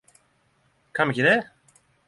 Kan vi ikkje det?